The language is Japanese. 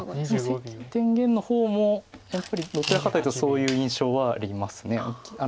関天元の方もやっぱりどちらかというとそういう印象はあります。